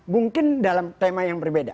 mungkin dalam tema yang berbeda